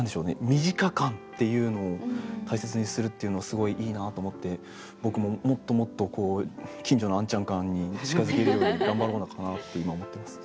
身近感っていうのを大切にするっていうのはすごいいいなと思って僕ももっともっと近所のあんちゃん感に近づけるように頑張ろうかなって今思ってます。